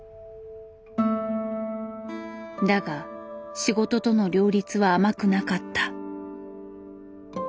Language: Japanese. だが仕事との両立は甘くなかった。